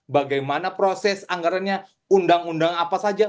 bagaimana proses anggarannya undang undang apa saja